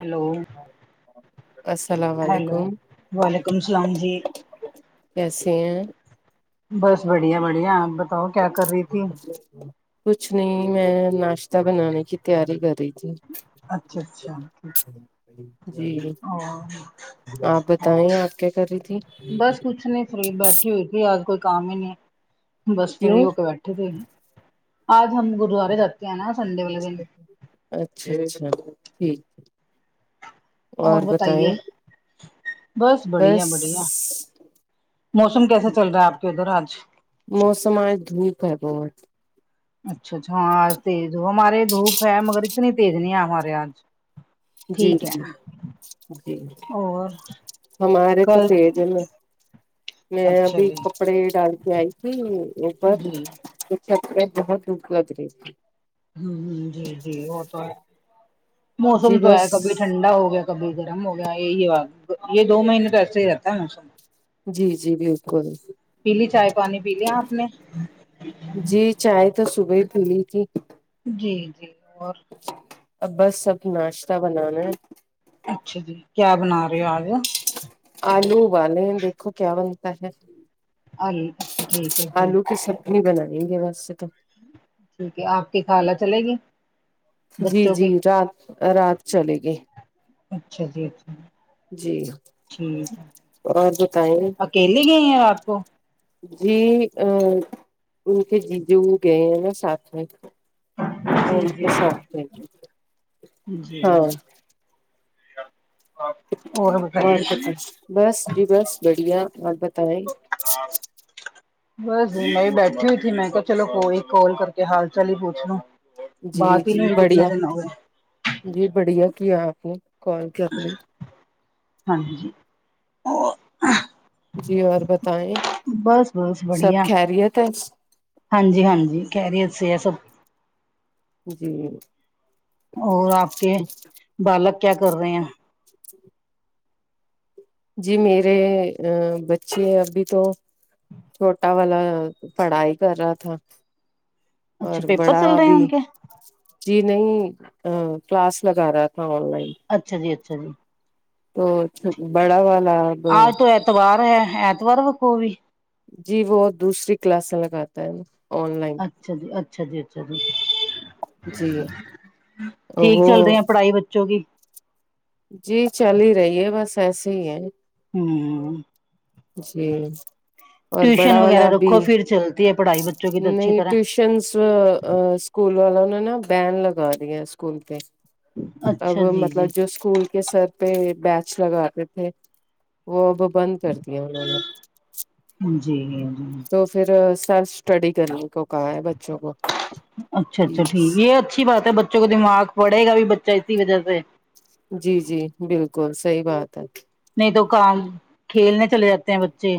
hello السلام hello علیکم وعلیکم السلام جی کیسے ہیں بس بڑھیا بڑھیا آپ بتاؤ کیا کر رہی تھی کچھ نہیں میں ناشتہ بنانے کی تیاری کر رہی تھی اچھا اچھا جی اور آپ بتائیں آپ کیا کر رہی تھی بس کچھ نہیں فری بیٹھی ہوئی تھی آج کوئی کام ہی نہیں بس کیوں فری ہو کے بیٹھی تھی آج ہم گرودوارے جاتے ہیں نا سنڈے والے دن اچھا اچھا ٹھیک ہے اور بتائیں بڑھیا بس بڑھیا موسم کیسے چل رہا ہے آپ کے ادھر آج موسم آج دھوپ ہے بہت اچھا اچھا ہاں آ تیز ہو ہمارے دھوپ ہے مگر اتنی تیز نہیں ہے ہمارے آج جی ٹھیک ہے جی جی اور ہمارے تو کل تیز ہے نا میں اچھا ابھی جی کپڑے ڈال کے آئی تھی اوپر جی شکریت بہت البد رہی تھی [unintelligible] ہمم ہمم جی جی وہ تو ہے موسم جی تو بس ہے کبھی ٹھنڈا ہو گیا کبھی گرم ہو گیا یہی اب یہ دو مہینے تو ایسے ہی رہتا ہے موسم جی جی بالکل پی لی چائے پانی پی لیا آپ نے جی چائے تو صبح ہی پی لی تھی جی جی اور اب بس سب ناشتہ بنانا ہے اچھا جی کیا بنا رہے ہو آج آلو ابالے ہے دیکھو کیا بنتا ہے آلو اچھا ٹھیک ہے جی آلو کی سبزی بنانی ہے ویسے تو ٹھیک ہے آپ کی خالہ چلے گی جی بچوں جی کی رات رات چلے گی اچھا جی اچھا جی اور بتائیں اکیلی گئی ہیں رات کو جی ا ان کے جی جو بھی گئے ہیں نا ساتھ میں اور جی جی انکے ساتھ گئے تھے جی ہاں اور کیا بس جی بس بڑھیا اور بتائیں ہاں بس میں بیٹھی ہوئی تھی میں کہا چلو کوئی کال کر کے حال چال ہی پوچھنا جی بات ہی نہیں جی ہوئی کتنا بڑھیا دن ہو گے جی بڑھیا کیا آپ نے کال کیا آپ نے ہاں جی جی اور بتائیں بس بس سب بڑھیا خیریت ہے ہاں جی ہاں جی خیریت سے سب جی اور آپ کے بالک کیا کر رہے ہیں [inaudible] جی میرے ا بچے ابھی تو چھوٹا والا پڑھائی کر رہا تھا اور اچھا پیپر بڑا چل رہے ہیں بھی ان کے جی نہیں کلاس لگا رہا تھا آن لائن اچھا جی اچھا جی تو بڑا والا آج تو ایتوار ہے ایتوار وکھو بھی جی وہ دوسری کلاسیں لگاتا ہے آن لائن اچھا جی اچھا جی اچھا جی جی ٹھیک وہ چل رہ ہیں پڑھائی بچوں کی جی چل ہی رہی ہے بس ایسے ہی ہے ہوں جی اور ٹیوشن بڑا وغیرہ والا بھی رکھو پھر چلتی ہے پڑھائی بچوں کی تو اچھی نہیں طرح ٹیوشن س سکول والوں نے نہ بین لگا دیا سکول پہ اب اچھا جی جی مطلب جو اسکول کے سر پہ بیچ لگاتے تھے وہ اب بند کرتے یہ [unintelligible] جی جی تو پھر سیلف اسٹڈی کرنیک اچھا اچھا ٹھیک یہ اچھی بات ہے بچ بچوں کو دماغ پڑے گا بھی بچہ اسی وجہ سے جی جی بالکل صحیح بات ہے نہیں تو کام کھیلنے چلے جاتے ہیں بچے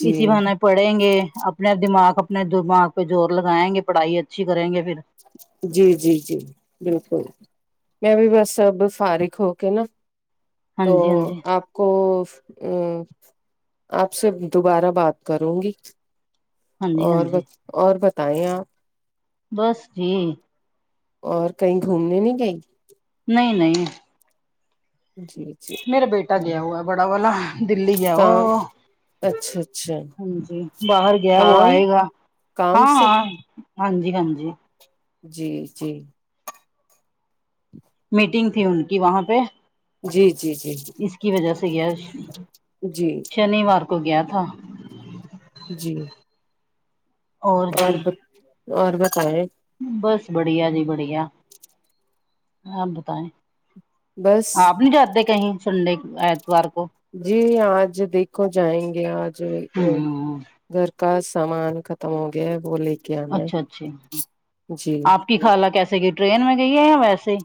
جی اسی بہانہ پڑھیں گے اپنے دماغ اپنے دماغ پہ زور لگائیں گے پڑھائی اچھی کریں گے پھر جی جی جی بالکل میں بھی بس اب فارغ ہو کے نا ہاں تو جی ہاں جی آپ کو ا آپ سے دوبارہ بات کروں گی ہاں جی ہاں اور جی ب اور بتائیں آپ بس جی اور کہیں گھومنے نہیں گئی نہیں نہیں جی جی میرا بیٹا گیا ہوا بڑا والا دلی گیا ہوا کام وہ اچھا اچھا ہاں جی باہر گیا وہ کام آئے گا کام ہاں سے ہاں ہاں جی ہاں جی جی جی میٹنگ تھی ان کی وہاں پہ جی جی جی اس کی وجہ سے گیا جی شنیوار کو گیا تھا جی اور ب اور بتائے بس بڑھیا جی بڑھیا آپ بتایں بس آپ نہیں جاتے کہیں سنڈنے ایتوار کو جی آج دیکھو جائیں گے آج ا ہوں گھر کا سامان ختم ہو گیا ہے وہ لے کے آنا اچھا ہے اچھا جی آپ کی خالہ کیسے گئی ٹرین میں گئی ہے یا ویسے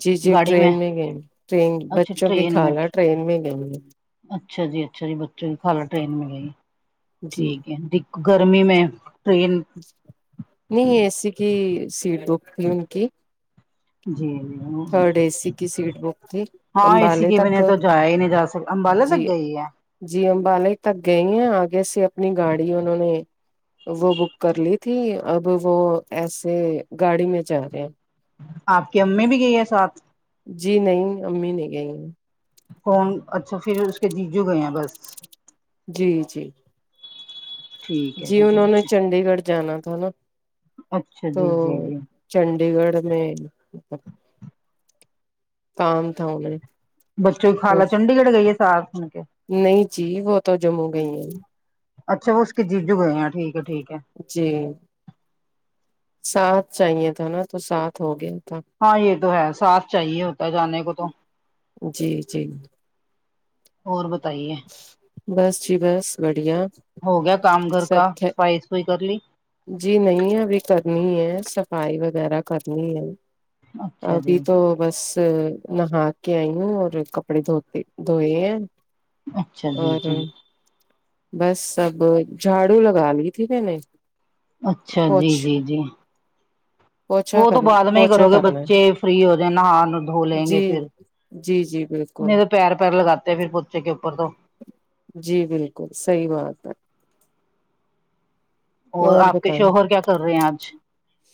جی جی ٹرین میں گئے ٹرین اچھا بچوں کی ٹرین میں خالہ ٹرین میں گئے اچھا جی اچھا جی بچوں کی خالہ ٹرین میں گئی جی ٹھیک ہے گرمی میں ٹرین نہیں اے سی کی سیٹ بک تھی ان کی جی تھرڈ اے سی کی سیٹ بک تھی ہاں اے سی امبالے کی تک وجہ تو جا ہی نہیں جا سک امبالا تک جی گئی ہے جی امبالہ ہی تک گئی ہیں آگے سے اپنی گاڑی انہوں نے وہ بک کر لی تھی اب وہ ایسے گاڑی میں جا رہے ہیں آپ کی امی بھی گئی ہے ساتھ جی نہیں امی نہیں گئی کون اچھا پھر اس کے جی جو گئے ہیں بس جی جی ٹھیک ہے جی انہوں نے ٹھیک چنڈی گڑھ جانا تھا نا ہے اچھا تو جی جی جی چنڈی گڑھ میں کام تھا انہیں بچوں کی تو خالہ چنڈی گڑھ گئی ہے سار سن کے نہیں جی وہ تو جموں گئی ہیں اچھا وہ اس کے جیجو گئے ہیں ٹھیک ہے ٹھیک ہے جی سات صحیح ہے تو نا سات ہو گئے ہاں یہ تو ہے ساتھ چاہیے ہوتا ہے جانے کو تو جی جی اور بتائیے بس جی بس بڑھیا ہو گیا کام گھر کا سب صفای سفائی کر لی جی نہیں ابھی کرنی ہے صفائی وغیرہ کرنی ہے اچھا ابھی جی تو بس نہا کے آئی ہوں اور کپڑے دھوتے دھوئے ہیں اچھا جی اور جی بس سب جھاڑو لگا لی تھی میں اچھا جی پوچھ جی جی پوچھا وہ تو کر بعد میں ہی پوچھا کرو گے کرنا بچے ہے فری ہو جائ نہ ہار دھو لیں جی گے پھر جی جی بالکل نہیں پیر پر لگاتے ہیں پھر بچے کے اوپر تو جی بالکل صحیح بات ہے اور آپ کے شوہر کیا کر رہے ہیں آج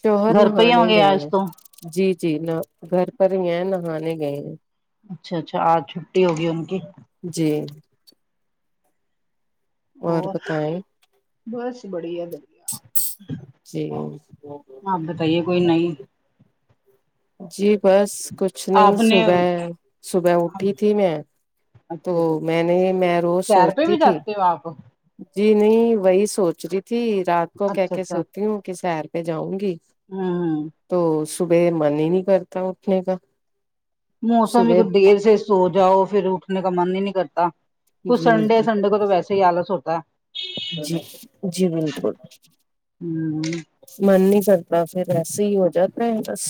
شوہر گھر پہ ہی ہوں نہانے گے گئے آج ہیں تو جی جی نہ گھر پر ہی ہیں نہانے گئے ہیں اچھا اچھا آج چھٹی ہوگی ان کی جی اور بس بڑھیا بڑھیا جی آپ بتائیے کوئی نہیں جی بس کچھ نہیں آپ صبح نے صبح اٹھی تھی میں تو اچھا جی میں نے میں روز سیر پہ سوچتی بھی تھی جاتے آپ جی نہیں وہی سوچ رہی تھی رات کو کہ اچھا کے اچھا سوتی ہوں کہ سیر پہ جاؤں گی ہوں تو صبح من ہی نہیں کرتا اٹھنے کا موسم بھی صبح کچھ دیر سے سو جاؤ پھر اٹھنے کا من ہی نہیں کرتا کچھ جی جی سنڈے سنڈے کو تو ویسے ہی آلس ہوتا ہے جی جی بالکل ہ من نہیں کرتا پھر ایسے ہی ہو جاتا ہے بس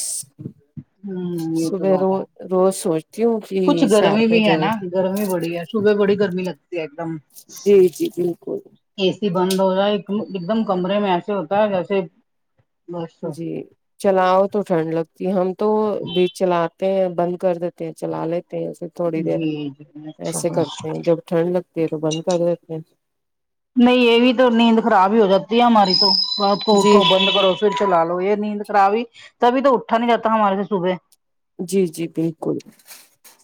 ہ یہ تو صبح بات رو ہے روز سوچتی ہوں کچھ کہ سیر گرمی پہ بھی ہے جاؤں نا گرمی بڑی ہے صبح بڑی گرمی لگتی ہے ایک دم جی جی بالکل اے سی بند ہو جائے ایک دم کمرے میں ایسے ہوتا ہے جیسے بس جی چلاؤ تو ٹھنڈ لگتی ہے ہم تو بیج چلاتے ہیں بند کر دیتے ہیں چلا لیتے ہیں اسے تھوڑی دیر جی جی اچھا ایسے جی کرتے ہیں جب ٹھنڈ لگتی ہے تو بند کر دیتے ہیں نہیں یہ بھی تو نیند خراب ہی ہو جاتی ہے ہماری تو رات کو جی اٹھو بند کرو س چلا لو یہ نیند خرابی تبھی تو اٹھا نہیں جاتا ہمارے صبح جی جی بالکل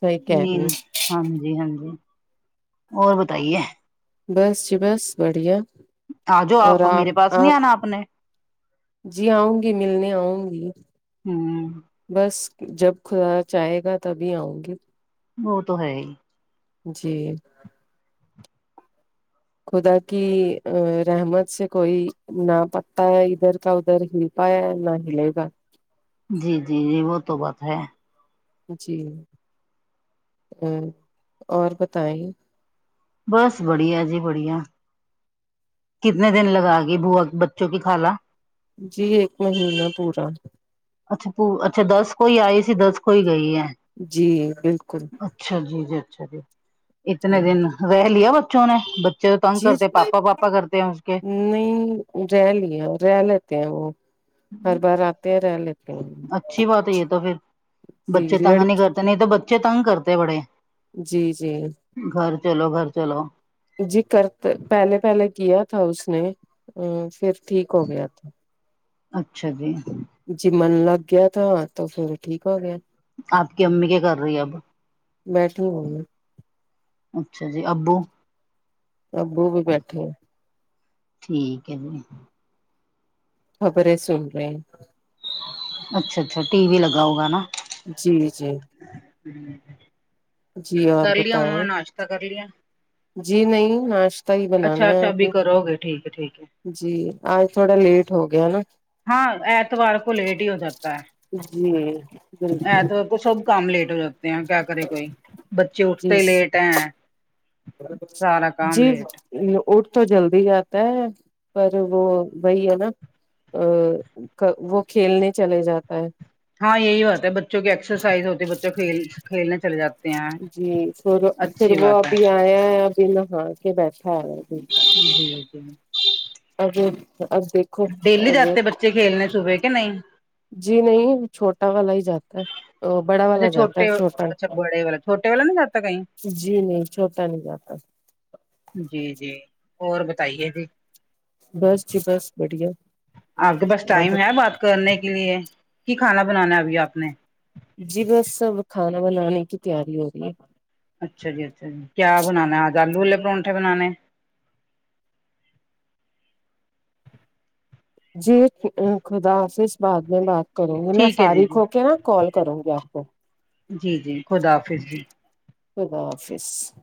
صحیح کہہ رہی نیند ہ ہاں جی ہاں جی اور بتائیے بس جی بس بڑھیا آ جو آپ میرے پاس نہیں آنا آپ نے جی آؤں گی ملنے آؤں گی ہوں بس جب خدا چاہے گا تبھی آؤں گی وہ تو ہے ہی جی خدا کی رحمت سے کوئی نا پتہ ہے ادھر کا ادھر ہی پایا ہے نا حلے گا جی جی جی وہ تو بات ہے جی اور بتائیں بس بڑھیا جی بڑھیا کتنے دن لگا گی بووا کی بچوں کی خالا جی ایک مہینہ پورا اچھا وہ اچھا دس کو ہی آئی ہے دس کو ہی گئی ہے جی بالکل اچھا جی جی اچھا جی اتنے جی دن رہ لیا بچوں نے جی تنگ کرتے پاپا پاپا کرتے ہونگے نہیں رہ لی رہ لیتے ہیں وہ ہر بار آتے ہیں رہ لیتے ہیں اچھی بات ہے یہ تو پھر بچے جی تنگ نہیں لڑکی کرتے نہیں تو بچے تنگ کرتے بڑے جی جی گھر چلو گھر چلو جی کر پہلے پہلے کیا تھا اس نے پھر ٹھیک ہو گیا تھا اچھا جی جیمن لگ گیا تھا تو پھر ٹھیک ہو گیا آپ کی امی کیا کر رہی اب بیٹھی ہوں میں، اچھا جی ابو سبو بھی بیٹے ہیں ٹھیک ہے جی خبریں سن رہے ہیں اچھا اچھا ٹی وی لگا ہوگا نا جی جی جی اور کر لیا انہوں نے بتائیں ناشتہ کر لیا جی نہیں ناشت تا ہی بنانا اچھا ہے اچھا آپ ابھی نے کرو گے ٹھیک ہے ٹھیک ہے جی آج تھوڑا لیٹ ہو گیا نا ہاں ایتوار کو لیٹ ہی ہو سکتا ہے جی بالکل ایتوار کو سب کام لیٹ ہو جاتے ہیں کیا کرے کوئی بچے جی اٹھتے لیٹ ہیں سارا کام جی لیٹ اٹ تو جلدی جاتا ہے پر وہ وہی ہے نا آ وہ کھیلنے چلے جاتا ہے ہاں یہی بات ہے بچوں کی ایکسرسائز ہوتی ہے بچوں کھیل کھیلنے چلے جاتے ہیں جی پھر پھر اچھی وہ بات ہے ابھی آیا ہے ابھی نہا کے بیٹھا ہے ابھی ہاں جی جی ابھی اب دیکھ ڈیلی جاتے ہے بچے کھیلنے صبح کہ نہیں جی نہیں چھوٹا والا ہی جاتا ہے بڑا اچھا والا جاتا ہے چھوٹے چھوٹا اچھا بڑے والا چھوٹے والا نہیں جاتا کہیں جی نہیں چھوٹا نہیں جاتا جی جی اور بتائیے جی بس جی بس بڑھیا آپ کے پاس ہاں ٹائم ہے بات کرنے کے لیے کی کھانا بنانا ہے ابھی آپ نے جی بس اب کھانا بنانے کی تیاری ہو رہی ہے اچھا جی اچھا جی کیا بنانا ہے آج آلو والے پرونٹھے بنانے ہیں جی خدا حافظ بعد میں بات کروں گی میں ٹھیک ہے جی فارغ جی ہو کے نا کال کروں گی آپ کو جی جی خدا حافظ جی خدا آفس